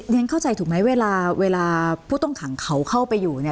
ฉันเข้าใจถูกไหมเวลาเวลาผู้ต้องขังเขาเข้าไปอยู่เนี่ย